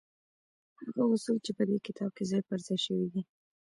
هغه اصول چې په دې کتاب کې ځای پر ځای شوي دي.